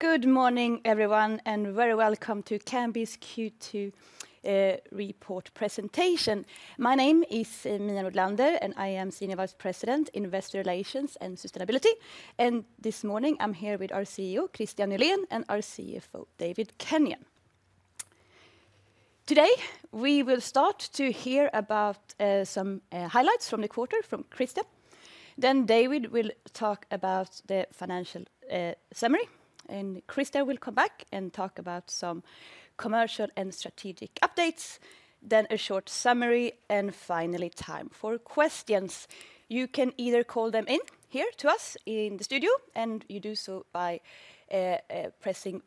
Good morning, everyone, and very welcome to Kambi's Q2 report presentation. My name is Mia Nordlander, and I am Senior Vice President, Investor Relations and Sustainability. This morning, I'm here with our CEO, Kristian Nylén, and our CFO, David Kenyon. Today, we will start to hear about some highlights from the quarter from Kristian. Then David will talk about the financial summary, and Kristian will come back and talk about some commercial and strategic updates, then a short summary, and finally, time for questions. You can either call them in here to us in the studio, and you do so by pressing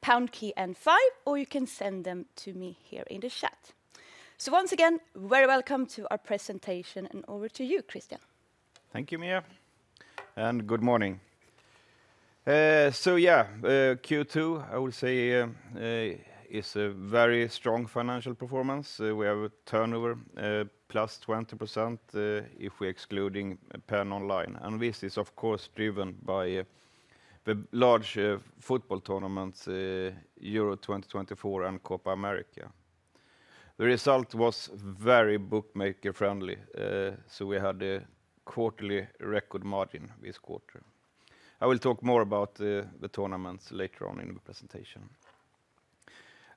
pound key and five, or you can send them to me here in the chat. So once again, very welcome to our presentation, and over to you, Kristian. Thank you, Mia, and good morning. So yeah, Q2, I will say, is a very strong financial performance. We have a turnover +20%, if we're excluding Penn Online, and this is, of course, driven by the large football tournaments, Euro 2024 and Copa América. The result was very bookmaker-friendly, so we had a quarterly record margin this quarter. I will talk more about the tournaments later on in the presentation.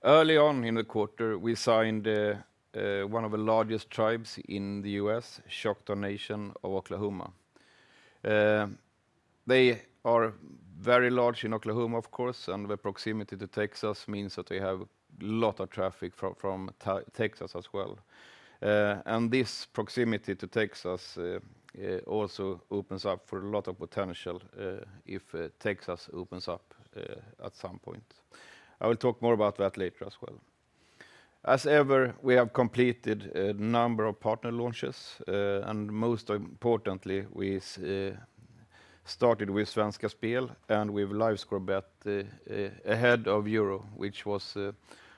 Early on in the quarter, we signed one of the largest tribes in the U.S., Choctaw Nation of Oklahoma. They are very large in Oklahoma, of course, and the proximity to Texas means that we have a lot of traffic from Texas as well. And this proximity to Texas also opens up for a lot of potential, if Texas opens up, at some point. I will talk more about that later as well. As ever, we have completed a number of partner launches, and most importantly, we started with Svenska Spel, and with LiveScore Bet, ahead of Euro, which was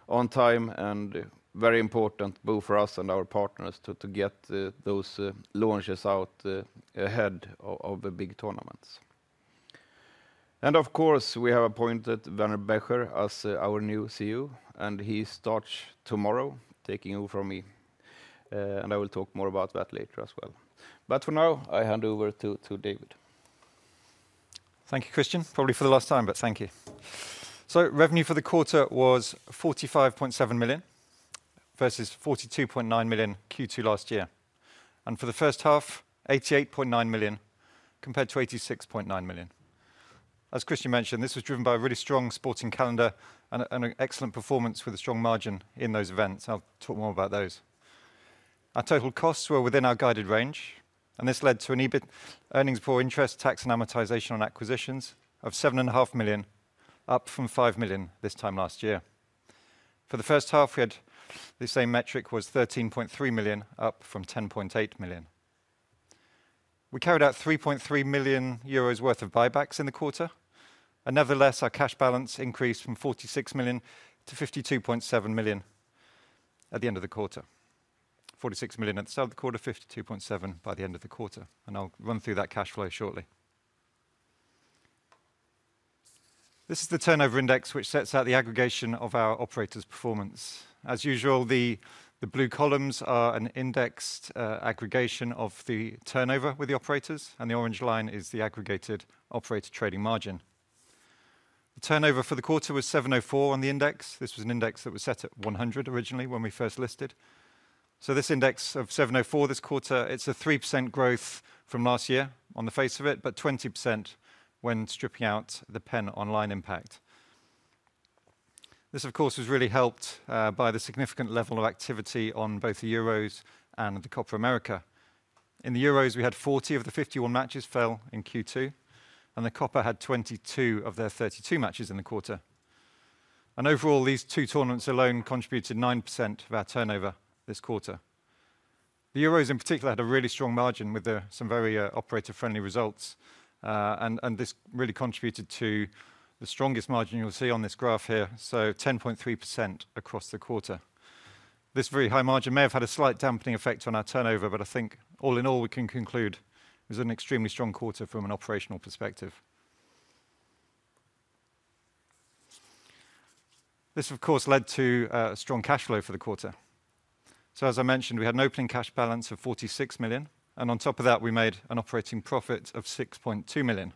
on time and very important both for us and our partners to get those launches out, ahead of the big tournaments. And of course, we have appointed Werner Becher as our new CEO, and he starts tomorrow, taking over from me, and I will talk more about that later as well. But for now, I hand over to David. Thank you, Kristian. Probably for the last time, but thank you. So revenue for the quarter was 45.7 million, versus 42.9 million Q2 last year, and for the first half, 88.9 million, compared to 86.9 million. As Kristian mentioned, this was driven by a really strong sporting calendar and an excellent performance with a strong margin in those events. I'll talk more about those. Our total costs were within our guided range, and this led to an EBIT, earnings before interest, tax, and amortization on acquisitions, of 7.5 million, up from 5 million this time last year. For the first half, we had the same metric, was 13.3 million, up from 10.8 million. We carried out 3.3 million euros worth of buybacks in the quarter, and nevertheless, our cash balance increased from 46 million to 52.7 million at the end of the quarter. 46 million at the start of the quarter, 52.7 million by the end of the quarter, and I'll run through that cash flow shortly. This is the Turnover Index, which sets out the aggregation of our operators' performance. As usual, the blue columns are an indexed aggregation of the turnover with the operators, and the orange line is the aggregated operator trading margin. The turnover for the quarter was 704 on the index. This was an index that was set at 100 originally when we first listed. So this index of 704 this quarter, it's a 3% growth from last year on the face of it, but 20% when stripping out the Penn Online impact. This, of course, was really helped by the significant level of activity on both the Euros and the Copa América. In the Euros, we had 40 of the 51 matches fell in Q2, and the Copa had 22 of their 32 matches in the quarter. And overall, these two tournaments alone contributed 9% of our turnover this quarter. The Euros, in particular, had a really strong margin with some very operator-friendly results, and this really contributed to the strongest margin you'll see on this graph here, so 10.3% across the quarter. This very high margin may have had a slight dampening effect on our turnover, but I think all in all, we can conclude it was an extremely strong quarter from an operational perspective. This, of course, led to strong cash flow for the quarter. So as I mentioned, we had an opening cash balance of 46 million, and on top of that, we made an operating profit of 6.2 million.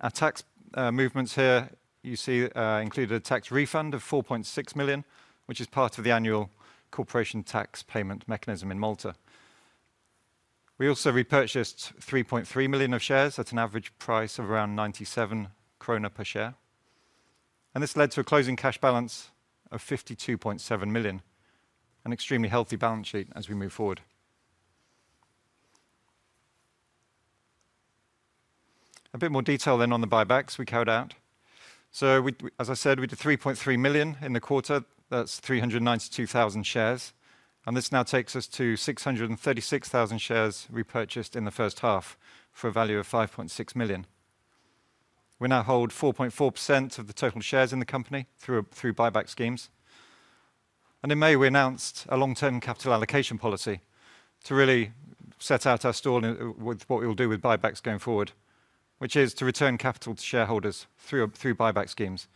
Our tax movements here, you see, included a tax refund of 4.6 million, which is part of the annual corporation tax payment mechanism in Malta. We also repurchased 3.3 million of shares at an average price of around 97 krona per share, and this led to a closing cash balance of 52.7 million, an extremely healthy balance sheet as we move forward. A bit more detail then on the buybacks we carried out. So, as I said, we did 3.3 million in the quarter. That's 392,000 shares, and this now takes us to 636,000 shares repurchased in the first half for a value of 5.6 million. We now hold 4.4% of the total shares in the company through, through buyback schemes, and in May, we announced a long-term capital allocation policy to really set out our stall in with what we'll do with buybacks going forward, which is to return capital to shareholders through, through buyback schemes,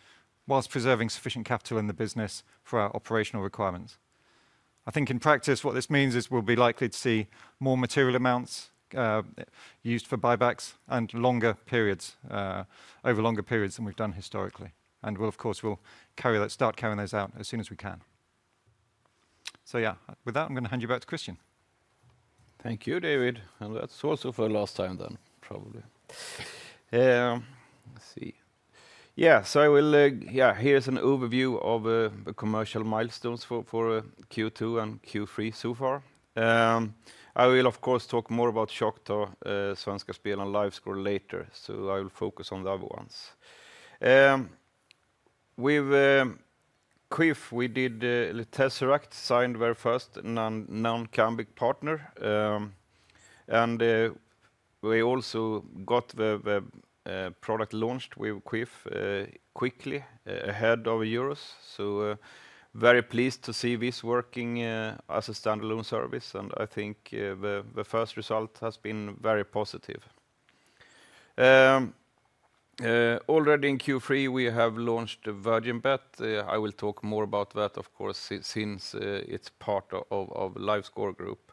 whilst preserving sufficient capital in the business for our operational requirements. I think in practice, what this means is we'll be likely to see more material amounts used for buybacks and longer periods over longer periods than we've done historically. And we'll, of course, we'll start carrying those out as soon as we can. So yeah, with that, I'm gonna hand you back to Kristian. Thank you, David, and that's also for the last time then, probably. Let's see. Yeah, so I will, yeah, here's an overview of the commercial milestones for Q2 and Q3 so far. I will, of course, talk more about Choctaw, Svenska Spel, and LiveScore later, so I will focus on the other ones. With Kwiff, we did the Tesseract signed very first non-Kambi partner. And we also got the product launched with Kwiff quickly ahead of Euros. So very pleased to see this working as a standalone service, and I think the first result has been very positive. Already in Q3, we have launched the Virgin Bet. I will talk more about that, of course, since it's part of LiveScore Group.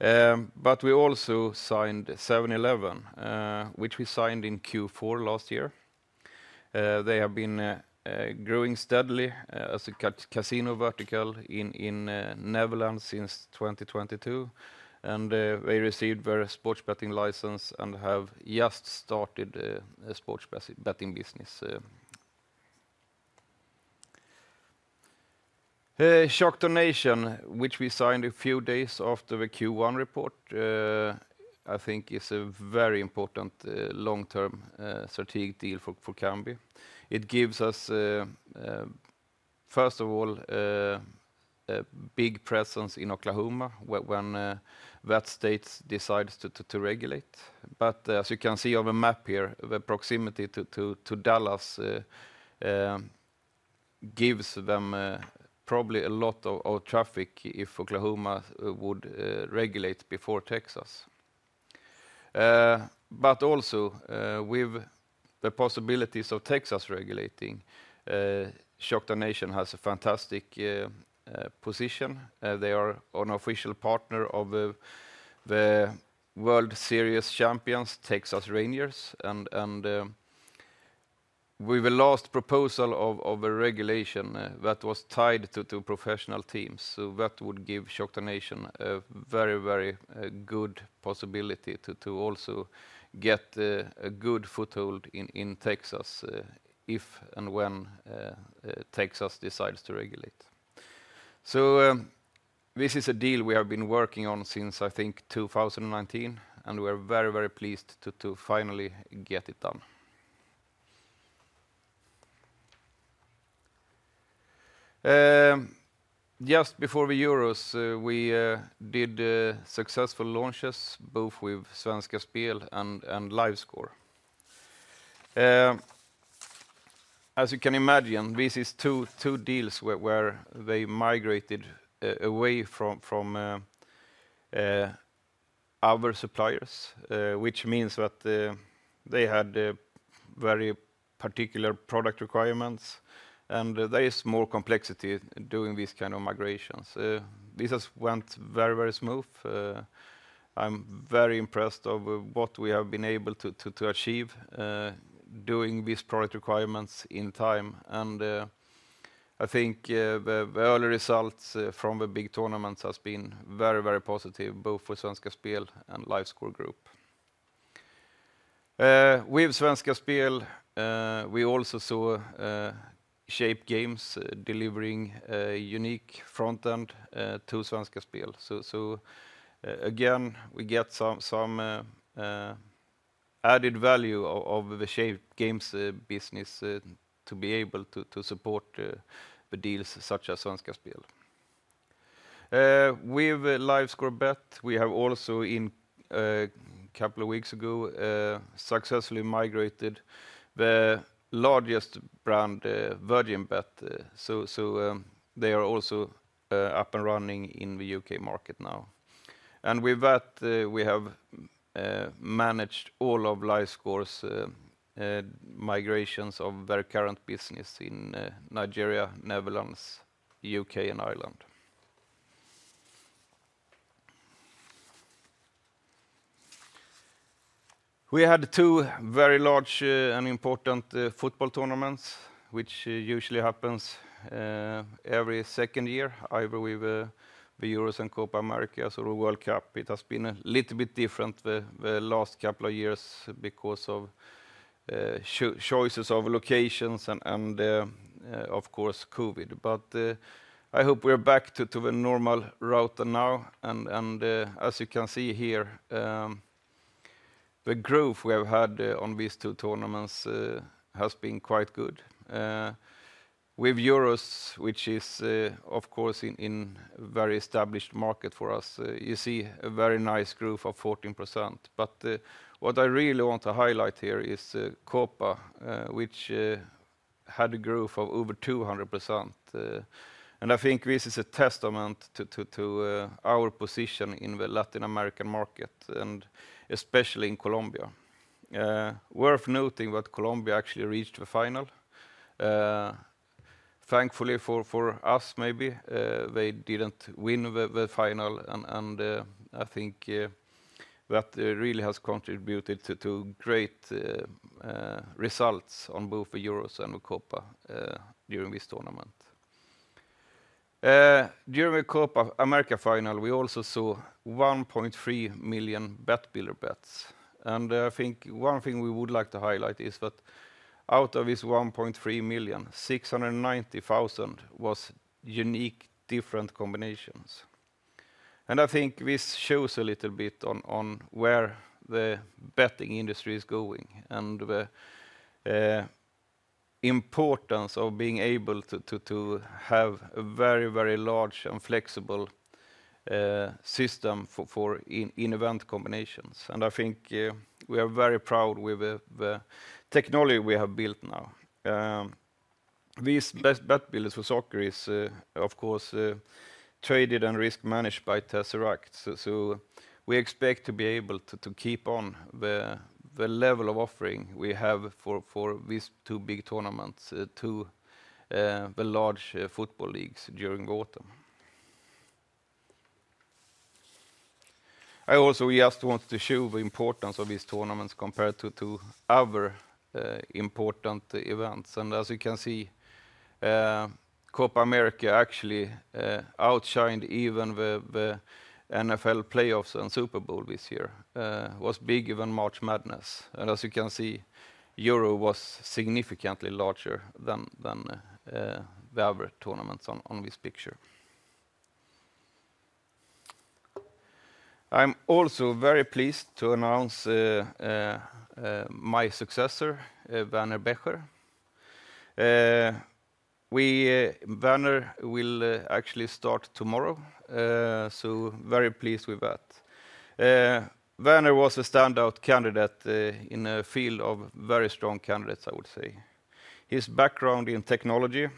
But we also signed 711, which we signed in Q4 last year. They have been growing steadily as a casino vertical in Netherlands since 2022, and they received their sports betting license and have just started a sports betting business. Choctaw Nation, which we signed a few days after the Q1 report, I think is a very important long-term strategic deal for Kambi. It gives us first of all a big presence in Oklahoma, when that state decides to regulate. But as you can see on the map here, the proximity to Dallas gives them probably a lot of traffic if Oklahoma would regulate before Texas. But also, with the possibilities of Texas regulating, Choctaw Nation has a fantastic position. They are an official partner of the World Series champions, Texas Rangers, and with the last proposal of a regulation that was tied to two professional teams, so that would give Choctaw Nation a very, very good possibility to also get a good foothold in Texas, if and when Texas decides to regulate. So, this is a deal we have been working on since, I think, 2019, and we're very, very pleased to finally get it done. Just before the Euros, we did successful launches, both with Svenska Spel and LiveScore. As you can imagine, this is two deals where they migrated away from other suppliers, which means that they had very particular product requirements, and there is more complexity doing these kind of migrations. This has went very, very smooth. I'm very impressed of what we have been able to achieve doing these product requirements in time. And, I think, the early results from the big tournaments has been very, very positive, both for Svenska Spel and LiveScore Group. With Svenska Spel, we also saw Shape Games delivering a unique front end to Svenska Spel. So, again, we get some added value of the Shape Games business to be able to support the deals such as Svenska Spel. With LiveScore Bet, we have also in a couple of weeks ago successfully migrated the largest brand, Virgin Bet. So, they are also up and running in the U.K. market now. And with that, we have managed all of LiveScore's migrations of their current business in Nigeria, Netherlands, U.K., and Ireland. We had two very large and important football tournaments, which usually happens every second year, either with the Euros and Copa América, so the World Cup. It has been a little bit different the last couple of years because of choices of locations and, of course, COVID. But I hope we are back to the normal route now, and as you can see here, the growth we have had on these two tournaments has been quite good. With Euros, which is, of course, in very established market for us, you see a very nice growth of 14%. But what I really want to highlight here is Copa, which had a growth of over 200%. And I think this is a testament to our position in the Latin American market, and especially in Colombia. Worth noting that Colombia actually reached the final. Thankfully for us, maybe, they didn't win the final, and I think that really has contributed to great results on both the Euros and the Copa during this tournament. During the Copa América final, we also saw 1.3 million Bet Builder bets, and I think one thing we would like to highlight is that out of this 1.3 million, 690,000 was unique, different combinations. And I think this shows a little bit on where the betting industry is going, and the importance of being able to have a very, very large and flexible system for in-event combinations. And I think we are very proud with the technology we have built now. These bet builders for soccer is, of course, traded and risk managed by Tesseract. So we expect to be able to keep on the level of offering we have for these two big tournaments to the large football leagues during autumn. I also just wanted to show the importance of these tournaments compared to other important events. As you can see, Copa América actually outshined even the NFL playoffs and Super Bowl this year, was big, even March Madness. As you can see, Euro was significantly larger than the other tournaments on this picture. I'm also very pleased to announce my successor, Werner Becher. Werner will actually start tomorrow, so very pleased with that. Werner was a standout candidate in a field of very strong candidates, I would say. His background in technology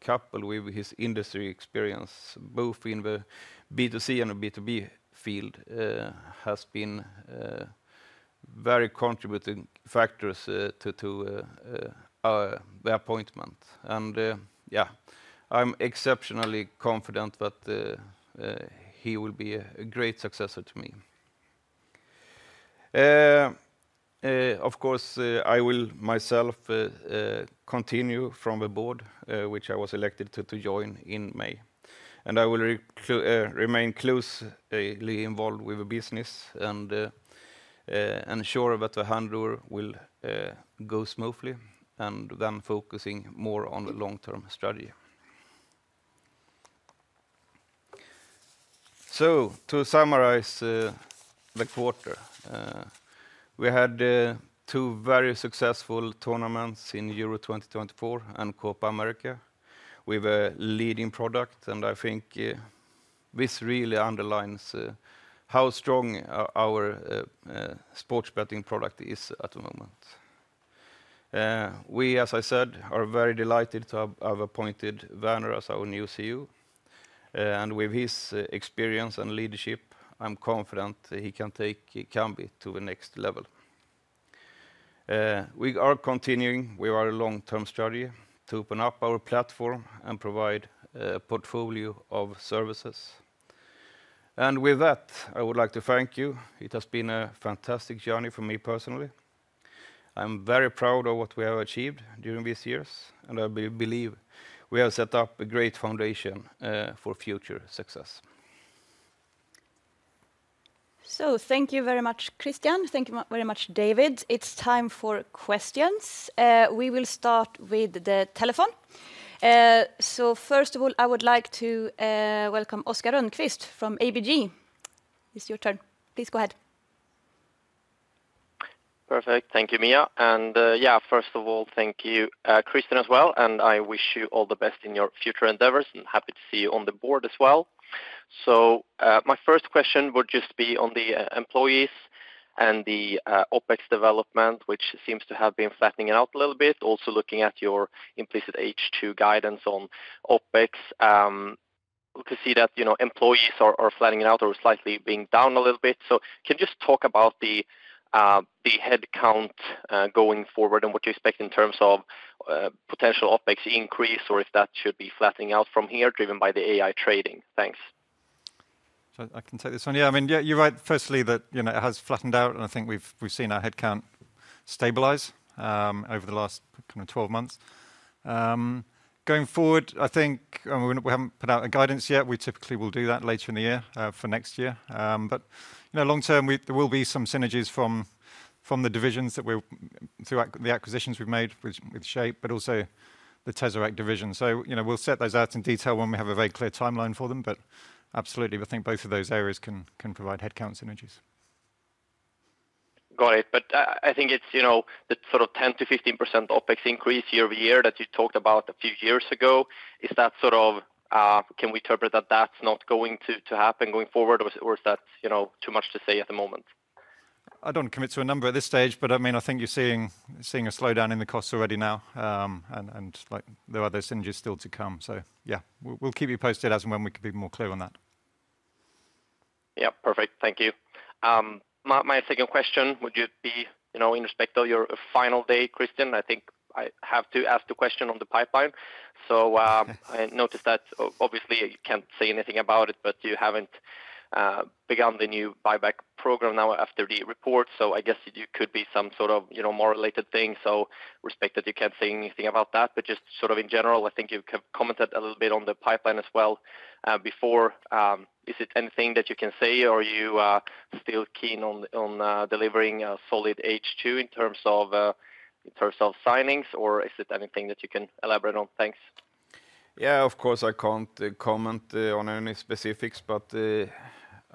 coupled with his industry experience, both in the B2C and B2B field, has been very contributing factors to the appointment. And yeah, I'm exceptionally confident that he will be a great successor to me. Of course, I will myself continue from the board, which I was elected to join in May. And I will remain closely involved with the business, and ensure that the handover will go smoothly, and then focusing more on the long-term strategy. So to summarize, the quarter, we had two very successful tournaments in Euro 2024 and Copa América with a leading product, and I think this really underlines how strong our sports betting product is at the moment. We, as I said, are very delighted to have appointed Werner as our new CEO, and with his experience and leadership, I'm confident that he can take Kambi to the next level. We are continuing with our long-term strategy to open up our platform and provide a portfolio of services. And with that, I would like to thank you. It has been a fantastic journey for me personally. I'm very proud of what we have achieved during these years, and I believe we have set up a great foundation for future success. So thank you very much, Kristian. Thank you very much, David. It's time for questions. We will start with the telephone. So first of all, I would like to welcome Oscar Rönnkvist from ABG. It's your turn. Please go ahead. Perfect. Thank you, Mia. And, yeah, first of all, thank you, Kristian, as well, and I wish you all the best in your future endeavors, and happy to see you on the board as well. So, my first question would just be on the employees and the OpEx development, which seems to have been flattening out a little bit. Also, looking at your implicit H2 guidance on OpEx, we can see that, you know, employees are flattening out or slightly being down a little bit. So can you just talk about the headcount going forward, and what you expect in terms of, potential OpEx increase, or if that should be flattening out from here, driven by the AI trading? Thanks. So I can take this one. Yeah, I mean, yeah, you're right, firstly, that, you know, it has flattened out, and I think we've seen our headcount stabilize over the last kind of 12 months. Going forward, I think, and we haven't put out a guidance yet, we typically will do that later in the year for next year. But, you know, long term, there will be some synergies from the divisions that we're through the acquisitions we've made with Shape, but also the Tesseract division. So, you know, we'll set those out in detail when we have a very clear timeline for them, but absolutely, I think both of those areas can provide headcount synergies. Got it. But I think it's, you know, the sort of 10%-15% OpEx increase year-over-year that you talked about a few years ago, is that sort of... Can we interpret that that's not going to happen going forward, or is that, you know, too much to say at the moment? I don't commit to a number at this stage, but I mean, I think you're seeing a slowdown in the costs already now. And like there are other synergies still to come. So yeah, we'll keep you posted as and when we can be more clear on that. Yeah, perfect. Thank you. My second question, would you be, you know, in respect of your final day, Kristian, I think I have to ask the question on the pipeline. So, I noticed that obviously you can't say anything about it, but you haven't begun the new buyback program now after the report. So I guess you could be some sort of, you know, more related thing. So respect that you can't say anything about that, but just sort of in general, I think you've commented a little bit on the pipeline as well, before. Is it anything that you can say, or are you still keen on delivering a solid H2 in terms of signings, or is it anything that you can elaborate on? Thanks. Yeah, of course, I can't comment on any specifics, but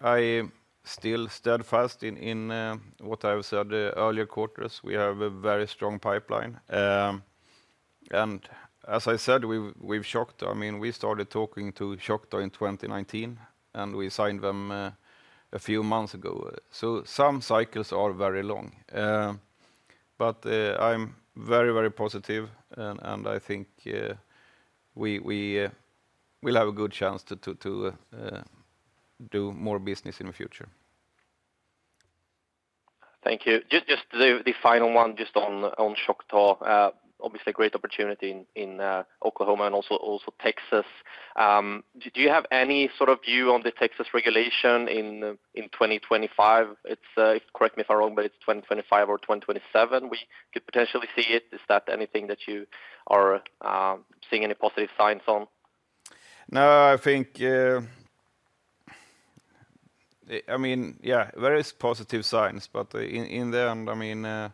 I still steadfast in what I've said earlier quarters. We have a very strong pipeline. And as I said, we've Choctaw. I mean, we started talking to Choctaw in 2019, and we signed them a few months ago. So some cycles are very long. But I'm very, very positive, and I think we will have a good chance to do more business in the future. Thank you. Just the final one, just on Choctaw, obviously a great opportunity in Oklahoma and also Texas. Do you have any sort of view on the Texas regulation in 2025? It's correct me if I'm wrong, but it's 2025 or 2027, we could potentially see it. Is that anything that you are seeing any positive signs on? No, I think, I mean, yeah, there is positive signs, but in the end, I mean,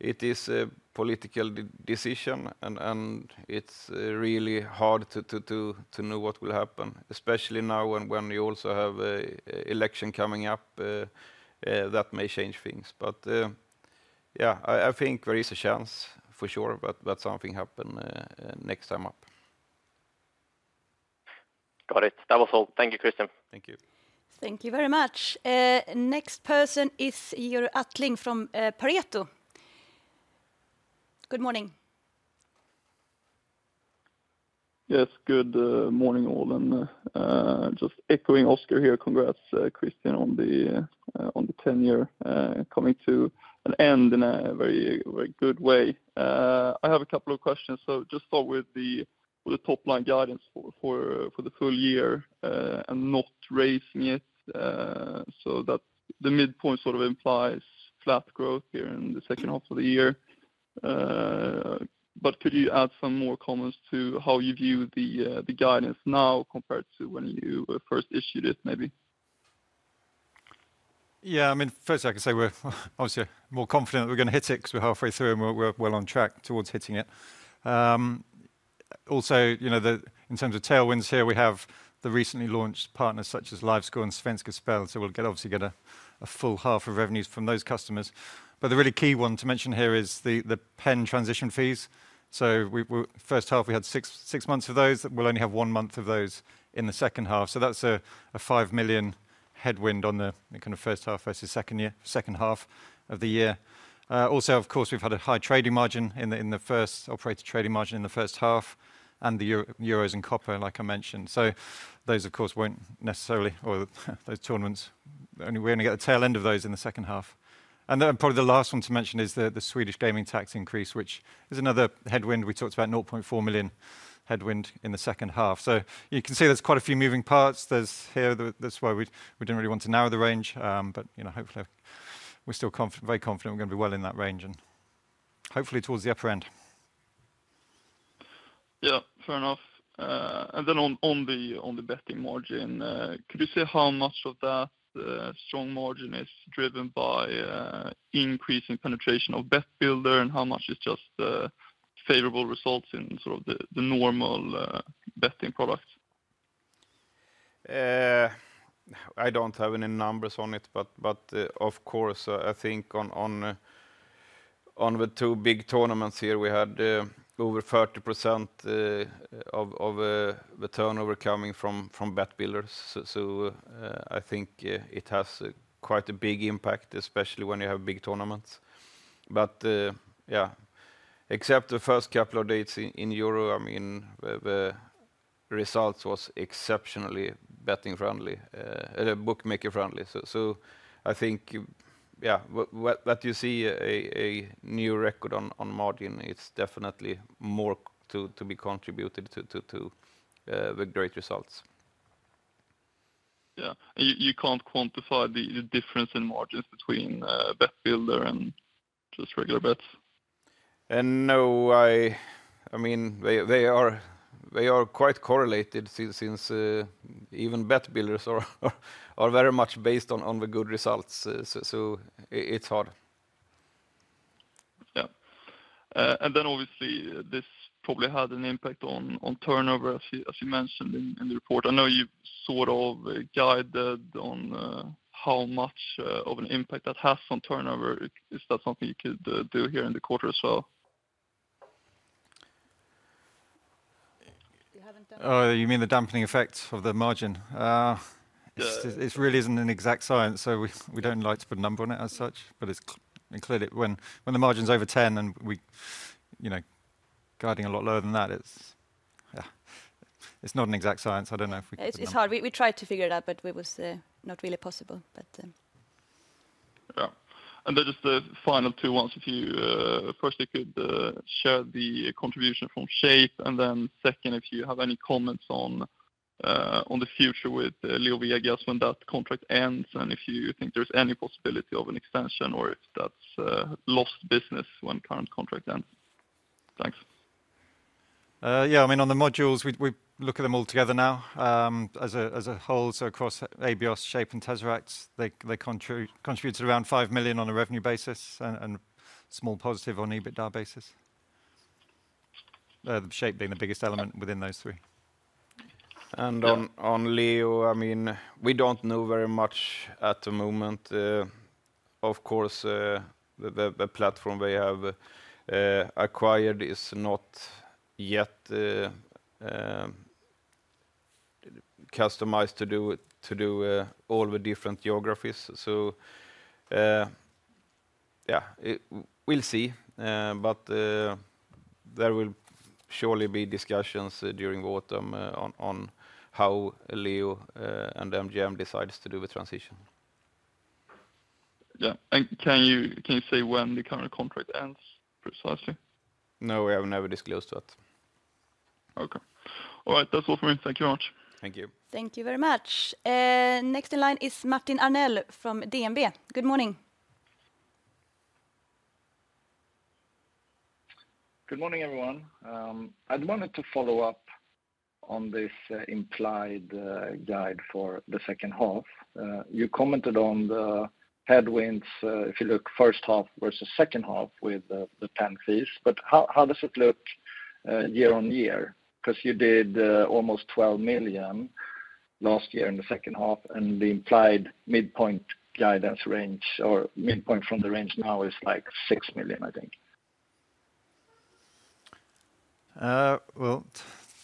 it is a political decision, and it's really hard to know what will happen, especially now when you also have a election coming up that may change things. But, yeah, I think there is a chance for sure that something happen next time up. Got it. That was all. Thank you, Kristian. Thank you. Thank you very much. Next person is Georg Attling from Pareto. Good morning. Yes, good morning, all, and just echoing Oscar here. Congrats, Kristian, on the tenure coming to an end in a very, very good way. I have a couple of questions. So just start with the top-line guidance for the full year, and not raising it, so that the midpoint sort of implies flat growth here in the second half of the year. But could you add some more comments to how you view the guidance now compared to when you first issued it, maybe? Yeah, I mean, first I can say we're obviously more confident we're gonna hit it, 'cause we're halfway through, and we're well on track towards hitting it. Also, you know, in terms of tailwinds here, we have the recently launched partners such as LiveScore and Svenska Spel, so we'll get, obviously get a full half of revenues from those customers. But the really key one to mention here is the Penn transition fees. So we first half, we had 6 months of those. We'll only have 1 month of those in the second half. So that's a 5 million headwind on the kind of first half versus second half of the year. Also, of course, we've had a high trading margin in the first... Operator trading margin in the first half, and the Euros and Copa, like I mentioned. So those, of course, won't necessarily, or those tournaments, only we're gonna get a tail end of those in the second half. And then probably the last one to mention is the Swedish gaming tax increase, which is another headwind. We talked about 0.4 million headwind in the second half. So you can see there's quite a few moving parts. That's why we didn't really want to narrow the range. But, you know, hopefully, we're still very confident we're gonna be well in that range, and hopefully towards the upper end. Yeah, fair enough. And then on the betting margin, could you say how much of that strong margin is driven by increase in penetration of Bet Builder, and how much is just favorable results in sort of the normal betting product? I don't have any numbers on it, but, but, of course, I think on, on, on the two big tournaments here, we had, over 30%, of, of, the turnover coming from, from bet builders. So, so, I think, it has quite a big impact, especially when you have big tournaments. But, yeah, except the first couple of dates in, in Euro, I mean, the, the results was exceptionally betting friendly, uh, uh, bookmaker friendly. So, so I think, yeah, what, what, that you see a, a new record on, on margin, it's definitely more to, to be contributed to, to, to, the great results. Yeah. You can't quantify the difference in margins between Bet Builder and just regular bets? No, I mean, they are quite correlated since even bet builders are very much based on the good results. So, it's hard. Yeah. And then obviously, this probably had an impact on turnover, as you mentioned in the report. I know you sort of guided on how much of an impact that has on turnover. Is that something you could do here in the quarter as well? Oh, you mean the dampening effect of the margin? Yeah. It really isn't an exact science, so we don't like to put a number on it as such, but it's clearly when the margin's over 10, then we, you know, guiding a lot lower than that, it's, yeah, it's not an exact science. I don't know if we can- It's hard. We tried to figure it out, but it was not really possible, but then... Yeah. And then just the final two ones, if you first you could share the contribution from Shape. And then second, if you have any comments on the future with LeoVegas, when that contract ends, and if you think there's any possibility of an extension or if that's lost business when current contract ends. Thanks. Yeah, I mean, on the modules, we look at them all together now, as a whole. So across Abios, Shape, and Tesseract, they contributed around 5 million on a revenue basis and small positive on EBITDA basis. Shape being the biggest element within those three. And on Leo, I mean, we don't know very much at the moment. Of course, the platform we have acquired is not yet customized to do it, to do all the different geographies. So, yeah, it... We'll see. But there will surely be discussions during autumn, on how Leo and MGM decides to do the transition. Yeah. Can you say when the current contract ends precisely? No, we have never disclosed that. Okay. All right, that's all for me. Thank you much. Thank you. Thank you very much. Next in line is Martin Arnell from DNB. Good morning. Good morning, everyone. I'd wanted to follow up on this, implied, guide for the second half. You commented on the headwinds, if you look first half versus second half with the, the Penn fees, but how, how does it look, year-over-year? Because you did, almost 12 million last year in the second half, and the implied midpoint guidance range or midpoint from the range now is, like, 6 million, I think. Well,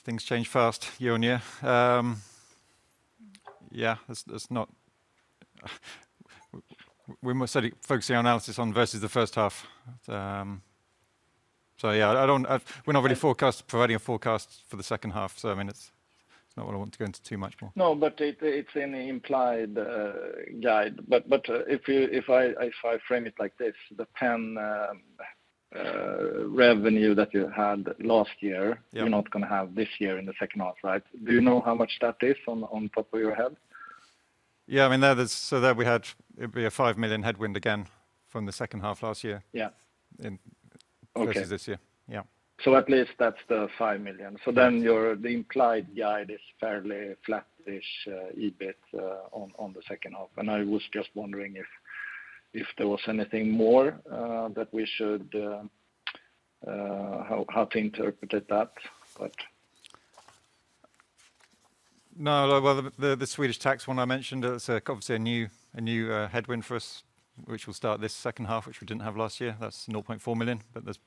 things change fast year-on-year. Yeah, that's, that's not... We must focus the analysis on versus the first half. So yeah, I don't... We're not really providing a forecast for the second half, so, I mean, it's, it's not what I want to go into too much more. No, but it, it's an implied guide. But if I frame it like this, the Penn revenue that you had last year you're not gonna have this year in the second half, right? Do you know how much that is on top of your head? Yeah, I mean, that is, so that we had, it'd be a 5 million headwind again from the second half last year versus this year. Yeah. At least that's 5 million. So then, your implied guide is fairly flattish EBIT on the second half, and I was just wondering if there was anything more that we should, how to interpret it, but- No, well, the Swedish tax one I mentioned, it's obviously a new headwind for us, which will start this second half, which we didn't have last year. That's 0.4 million, but there's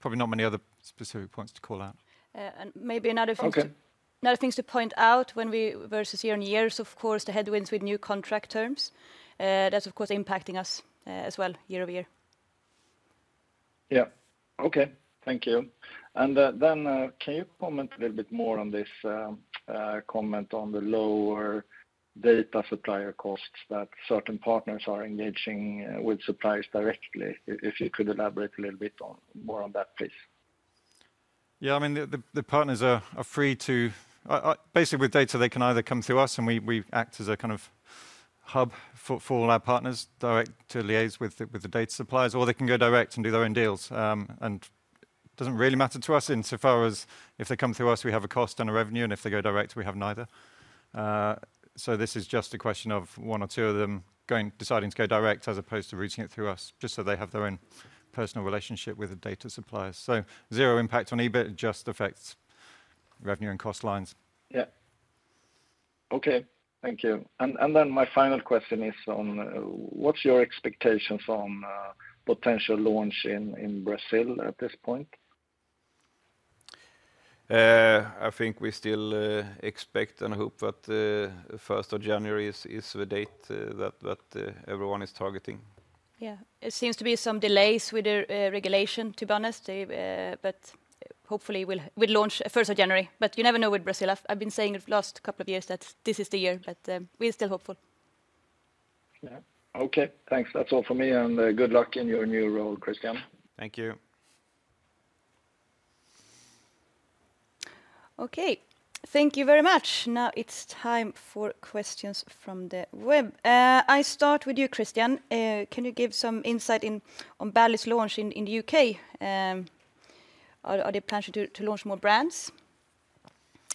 probably not many other specific points to call out. and maybe another thing to- Okay... another things to point out when we versus year on years, of course, the headwinds with new contract terms, that's of course impacting us, as well, year over year. Yeah. Okay, thank you. And then, can you comment a little bit more on this comment on the lower data supplier costs that certain partners are engaging with suppliers directly? If you could elaborate a little bit more on that, please. Yeah, I mean, the partners are free to... I basically with data, they can either come through us, and we act as a kind of hub for all our partners direct to liaise with the data suppliers, or they can go direct and do their own deals. And doesn't really matter to us in so far as if they come through us, we have a cost and a revenue, and if they go direct, we have neither. So this is just a question of one or two of them going deciding to go direct as opposed to routing it through us, just so they have their own personal relationship with the data suppliers. So zero impact on EBIT, it just affects revenue and cost lines. Yeah. Okay, thank you. And then my final question is on what's your expectations on potential launch in Brazil at this point? I think we still expect and hope that the 1st of January is the date that everyone is targeting. Yeah. It seems to be some delays with the regulation, to be honest. But hopefully we'll launch 1st of January, but you never know with Brazil. I've been saying it last couple of years that this is the year, but we're still hopeful. Yeah. Okay, thanks. That's all for me, and good luck in your new role, Kristian. Thank you. Okay, thank you very much. Now it's time for questions from the web. I start with you, Kristian. Can you give some insight on Bally's launch in the U.K.? Are there plans to launch more brands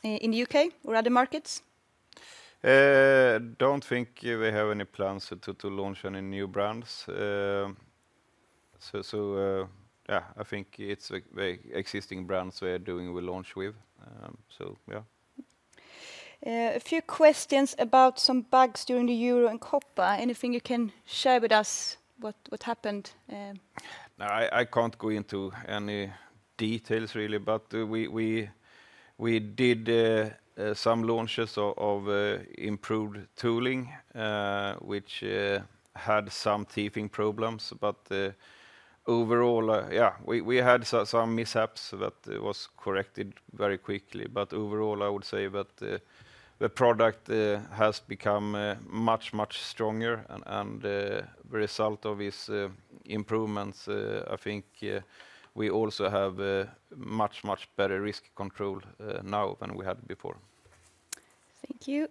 in the U.K. or other markets? Don't think we have any plans to launch any new brands. Yeah, I think it's, like, the existing brands we are doing, we launch with, so yeah. A few questions about some bugs during the Euro and Copa. Anything you can share with us what happened? No, I can't go into any details really, but we did some launches of improved tooling, which had some teething problems. But overall, yeah, we had some mishaps that was corrected very quickly. But overall, I would say that the product has become much stronger and the result of its improvements, I think, we also have a much better risk control now than we had before. Thank you.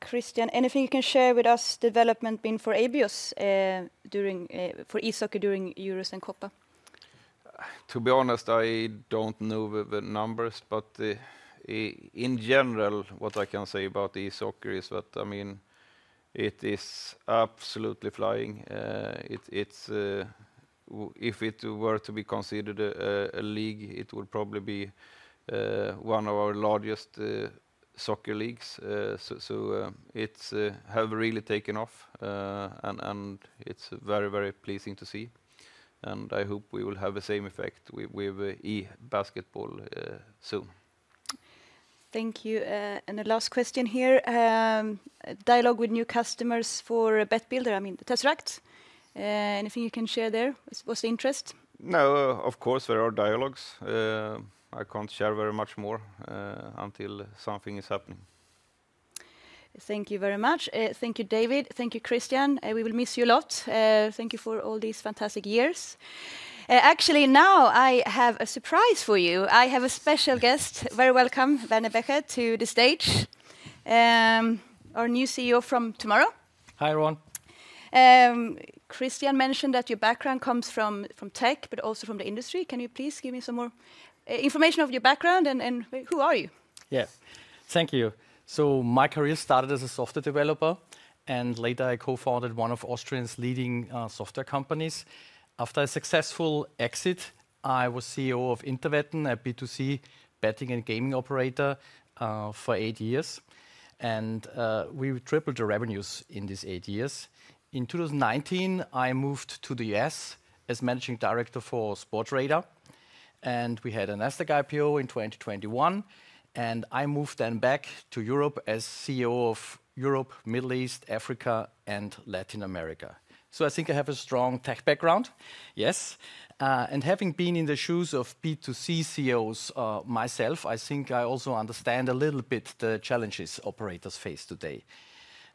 Kristian, anything you can share with us development been for Abios during for esports during Euros and Copa? To be honest, I don't know the numbers, but in general, what I can say about esoccer is that, I mean, it is absolutely flying. If it were to be considered a league, it would probably be one of our largest soccer leagues. So, it has really taken off, and it's very, very pleasing to see, and I hope we will have the same effect with E-basketball soon. Thank you. The last question here, dialogue with new customers for Bet Builder, I mean, the Tesseract. Anything you can share there? What's the interest? No, of course, there are dialogues. I can't share very much more until something is happening. Thank you very much. Thank you, David. Thank you, Kristian. We will miss you a lot. Thank you for all these fantastic years. Actually, now I have a surprise for you. I have a special guest. Very welcome, Werner Becher, to the stage. Our new CEO from tomorrow. Hi, everyone. Kristian mentioned that your background comes from tech, but also from the industry. Can you please give me some more information of your background, and who are you? Yeah. Thank you. So my career started as a software developer, and later I co-founded one of Austria's leading software companies. After a successful exit, I was CEO of Interwetten, a B2C betting and gaming operator, for eight years, and we tripled the revenues in these eight years. In 2019, I moved to the U.S. as managing director for Sportradar, and we had a NASDAQ IPO in 2021, and I moved then back to Europe as CEO of Europe, Middle East, Africa, and Latin America. So I think I have a strong tech background, yes, and having been in the shoes of B2C CEOs myself, I think I also understand a little bit the challenges operators face today.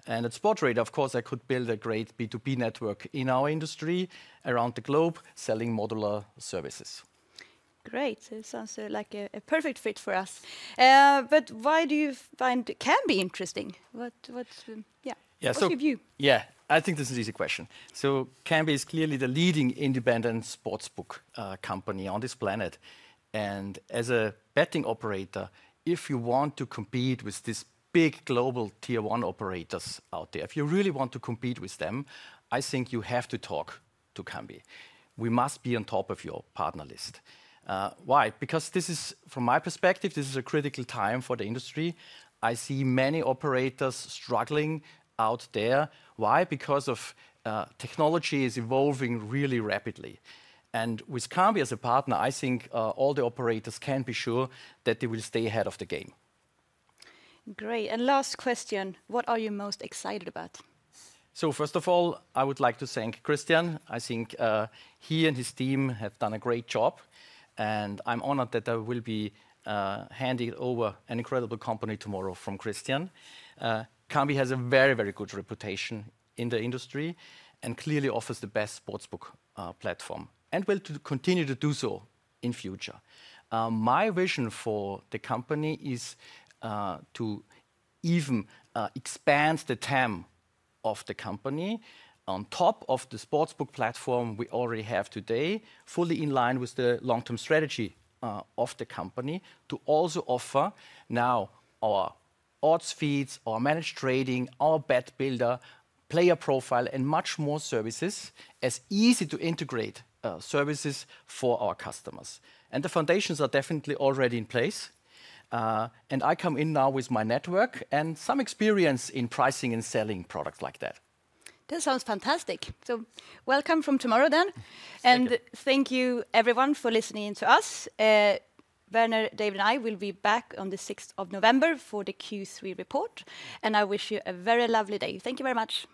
And at Sportradar, of course, I could build a great B2B network in our industry around the globe, selling modular services. Great, so it sounds like a perfect fit for us. But why do you find Kambi interesting? What... Yeah. What's your view? Yeah, I think this is an easy question. So Kambi is clearly the leading independent sportsbook company on this planet, and as a betting operator, if you want to compete with these big global Tier 1 operators out there, if you really want to compete with them, I think you have to talk to Kambi. We must be on top of your partner list. Why? Because this is, from my perspective, this is a critical time for the industry. I see many operators struggling out there. Why? Because of technology is evolving really rapidly, and with Kambi as a partner, I think all the operators can be sure that they will stay ahead of the game. Great, and last question: What are you most excited about? So first of all, I would like to thank Kristian. I think, he and his team have done a great job, and I'm honored that I will be, handing over an incredible company tomorrow from Kristian. Kambi has a very, very good reputation in the industry and clearly offers the best sportsbook, platform, and will to continue to do so in future. My vision for the company is, to even, expand the TAM of the company on top of the sportsbook platform we already have today, fully in line with the long-term strategy, of the company, to also offer now our odds feeds, our managed trading, our bet builder, player profile, and much more services as easy-to-integrate, services for our customers. The foundations are definitely already in place, and I come in now with my network and some experience in pricing and selling products like that. That sounds fantastic. So welcome from tomorrow then. Thank you. Thank you everyone for listening to us. Werner, David, and I will be back on the 6th of November for the Q3 report, and I wish you a very lovely day. Thank you very much.